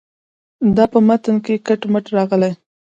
دا په متن کې کټ مټ راغلې.